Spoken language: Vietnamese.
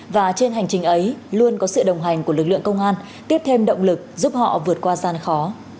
và trên hành trình ấy luôn có sự đồng hành của lực lượng công an tiếp thêm động lực giúp họ vượt qua gian khó